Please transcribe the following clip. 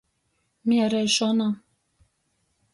Miereišona.